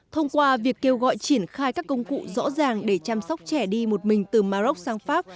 thông qua việc kêu gọi triển khai các công cụ rõ ràng để chăm sóc trẻ đi một mình từ maroc sang pháp